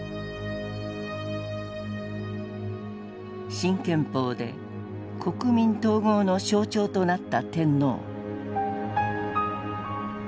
新憲法で国民統合の象徴となった天皇。